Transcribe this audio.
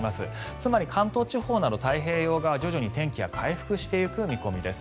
つまり関東地方など太平洋側は徐々に天気が回復していく見込みです。